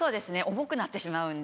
重くなってしまうんで。